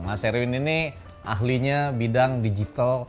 mas erwin ini ahlinya bidang digital